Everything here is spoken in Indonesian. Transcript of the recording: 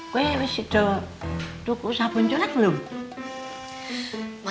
kok ini sudah tukang sabun juga belum